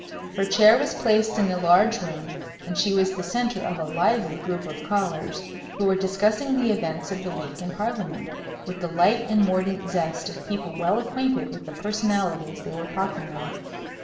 Her chair was placed in the large room, and she was the centre of a lively group of callers who were discussing the events of the week in Parliament, with the light and mordant zest of people well acquainted with the personalities they were talking of.